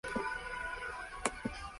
Kyle es elegida como el primero.